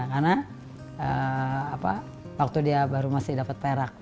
karena waktu dia baru masih dapat perak